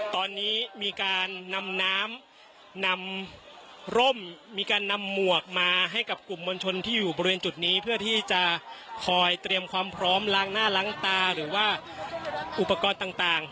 ตอนนี้มีการนำน้ำนำร่มมีการนำหมวกมาให้กับกลุ่มมวลชนที่อยู่บริเวณจุดนี้เพื่อที่จะคอยเตรียมความพร้อมล้างหน้าล้างตาหรือว่าอุปกรณ์ต่าง